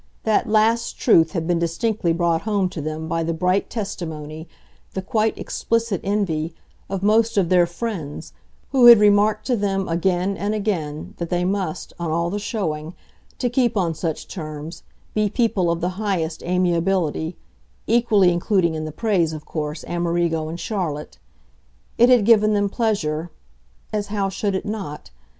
That last truth had been distinctly brought home to them by the bright testimony, the quite explicit envy, of most of their friends, who had remarked to them again and again that they must, on all the showing, to keep on such terms, be people of the highest amiability equally including in the praise, of course, Amerigo and Charlotte. It had given them pleasure as how should it not?